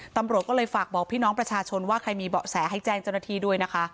ตำรวจก็เลยฝากบอกพี่น้องประชาชนว่าใครมีเบาะแสให้แจ้งเจ้าหน้าที่ด้วยนะคะ